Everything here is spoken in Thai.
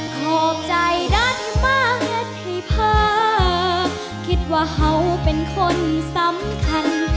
ขอบใจด้านมากนะที่เพิ่มคิดว่าเฮ้าเป็นคนสำคัญ